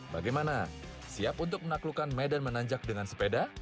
bagaimana siap untuk menaklukkan medan menanjak dengan sepeda